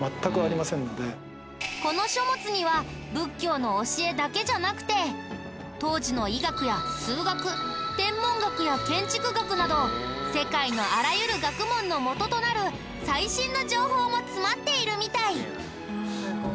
この書物には仏教の教えだけじゃなくて当時の医学や数学天文学や建築学など世界のあらゆる学問のもととなる最新の情報も詰まっているみたい。